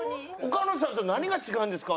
岡野さんと何が違うんですか？